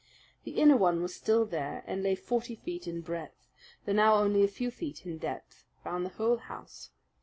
The inner one was still there, and lay forty feet in breadth, though now only a few feet in depth, round the whole house.